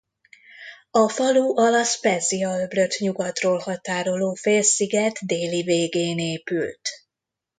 A falu a La Spezia-öblöt nyugatról határoló félsziget déli végén épült.